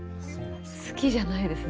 好きじゃないです。